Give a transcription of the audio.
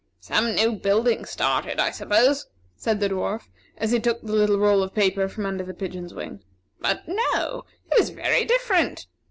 "Some new building started, I suppose," said the Dwarf, as he took the little roll of paper from under the pigeon's wing. "But no; it is very different!